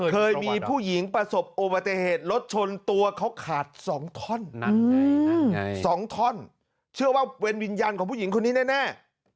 เคยมีผู้หญิงประสบอุบัติเหตุรถชนตัวเขาขาด๒ท่อน๒ท่อนเชื่อว่าเป็นวิญญาณของผู้หญิงคนนี้แน่